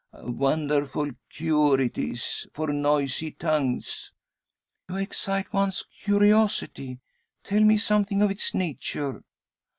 "A wonderful cure it is for noisy tongues!" "You excite one's curiosity. Tell me something of its nature?"